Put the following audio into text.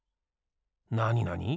なになに？